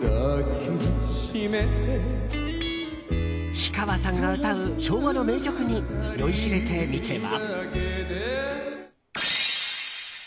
氷川さんが歌う昭和の名曲に酔いしれてみては？